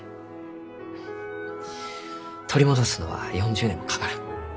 取り戻すのは４０年もかからん。